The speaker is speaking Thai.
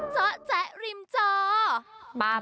เจาะแจ๊ะริมเจาะ